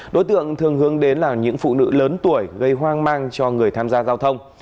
đối tượng thường hướng đến là những phụ nữ lớn tuổi gây hoang mang cho người tham gia giao thông